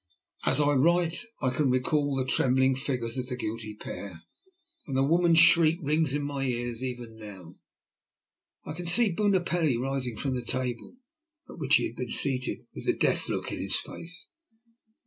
As I write, I can recall the trembling figures of the guilty pair, and the woman's shriek rings in my ears even now. I can see Bunopelli rising from the table, at which he had been seated, with the death look in his face.